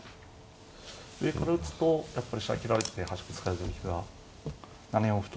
上から打つとやっぱり飛車切られて端歩突かれる７四歩と。